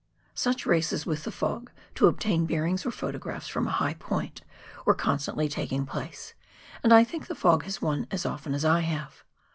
Such races with the fog to obtain bearings or photographs from a high point, were constantly taking place, and I think the fog has won as often as I have.